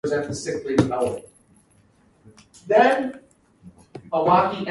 That is, there are no new speakers, adults or children.